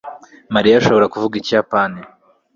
mariya ashobora kuvuga ikiyapani